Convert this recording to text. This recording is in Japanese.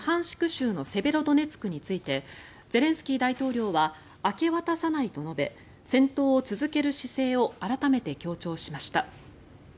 州のセベロドネツクについてゼレンスキー大統領は明け渡さないと述べ戦闘を続ける姿勢を改めて強調しました。